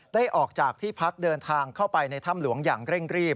ได้ออกจากที่พักเดินทางเข้าไปในถ้ำหลวงอย่างเร่งรีบ